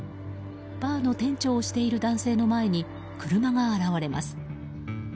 バーの店長をしている男性の前に車が現れます。